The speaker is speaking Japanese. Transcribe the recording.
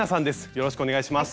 よろしくお願いします。